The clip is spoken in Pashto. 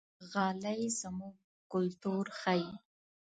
غالۍ زموږ کلتور ښيي.